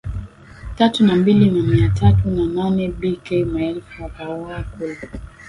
tatu na mbili na mia tatu na nane B K maelfu wakauawa kule